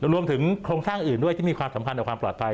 รวมถึงโครงสร้างอื่นด้วยที่มีความสำคัญต่อความปลอดภัย